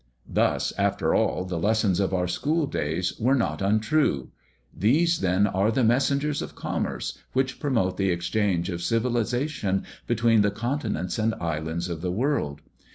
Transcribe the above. Thus, after all, the lessons of our school days were not untrue! These, then, are the messengers of commerce which promote the exchange of civilisation between the continents and islands of the world.